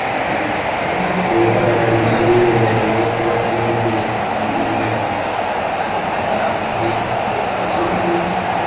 Leta ya Missouri yemerewe kuba imwe muri Leta zunze ubumwe za Amerika iba leta ya muri leta zose